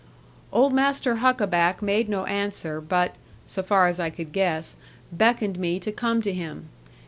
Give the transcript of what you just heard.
Old Master Huckaback made no answer, but (so far as I could guess) beckoned me to come to him.